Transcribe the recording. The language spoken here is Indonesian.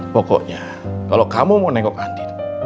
pokoknya kalau kamu mau nengok andin